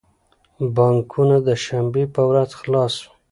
بانکونه د شنبی په ورځ خلاص وی